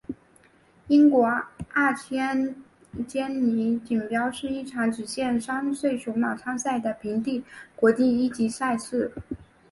英国二千坚尼锦标是一场只限三岁雄马参赛的平地国际一级赛事。